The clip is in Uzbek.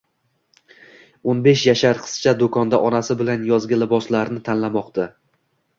O'nbesh yashar qizcha do‘konda onasi bilan yozgi liboslarni tanlamoqda.